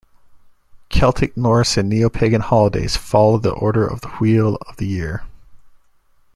Celtic, Norse, and Neopagan holidays follow the order of the Wheel of the Year.